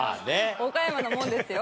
岡山のものですよ。